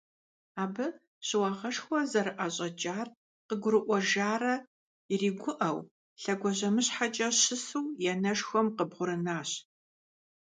Абы щыуагъэшхуэ зэрыӀэщӀэкӀар къыгурыӀуэжарэ иригуӀэу, лъэгуажьэмыщхьэкӀэ щысу и анэшхуэм къыбгъурынащ.